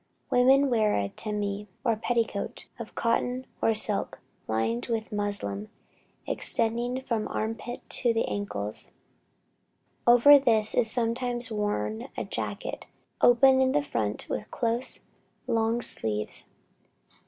Women wear a temine, or petticoat, of cotton or silk, lined with muslin, extending from the arm pits to the ankles. Over this is sometimes worn a jacket, open in front with close, long sleeves.